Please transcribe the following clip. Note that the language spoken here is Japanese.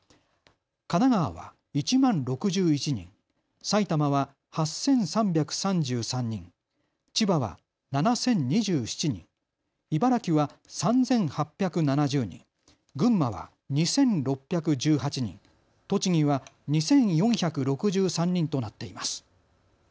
神奈川は１万６１人、埼玉は８３３３人、千葉は７０２７人、茨城は３８７０人、群馬は２６１８人、栃木は２４６３人となっています。